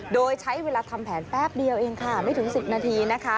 โดยใช้เวลาทำแผนแป๊บเดียวเองไม่ถึงสิบนาที